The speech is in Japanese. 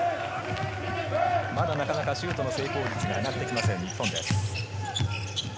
まだ、なかなかシュートの成功率が上がってきません、日本です。